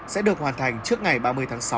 sẽ được hoàn thành trước ngày ba mươi tháng sáu